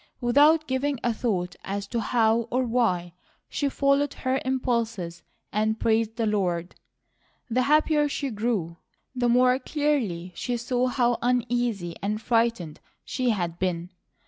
Without giving a thought as to how, or why, she followed her impulses and praised the Lord. The happier she grew, the more clearly she saw how uneasy and frightened she had been.